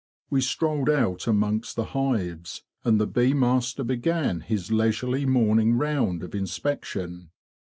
We strolled out amongst the hives, and the bee master began his leisurely morning round of inspection.